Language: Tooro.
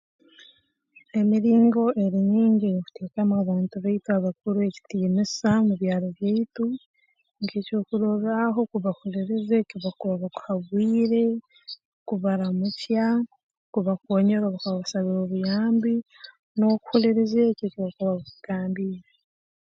Emiringo eri nyingi ey'okuteekamu abantu baitu abakuru ekitiinisa mu byaro byaitu nk'eky'okurorraaho kubahuliriza eki bakuba bakuhabwire kubaramukya kubakoonyera obu bakuba bakusabire obuyambi n'okuhuliriza eki eki bakuba bakugambiire